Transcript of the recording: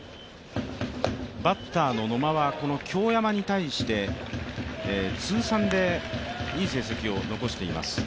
バッターの野間は京山に対して通算でいい成績を残しています。